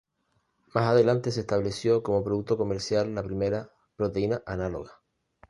Más adelante se estableció como producto comercial la primera proteína análoga.